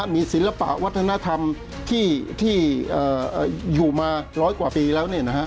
มีศิลปะวัฒนธรรมที่อยู่มาร้อยกว่าปีแล้ว